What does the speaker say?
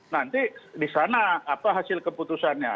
nanti di sana apa hasil keputusannya